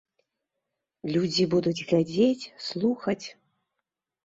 Людзі будуць глядзець, слухаць.